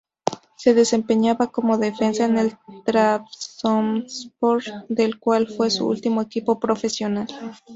Se desempeñaba como defensa en el Trabzonspor del cual fue su ultimo equipo profesional.